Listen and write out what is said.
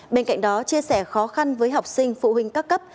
bên cạnh đó chia sẻ khó khăn với học sinh phụ huynh các cấp